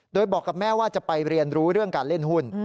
โดยบอกกับแม่ว่าจะไปเรียนรู้เรื่องการเล่นหุ้น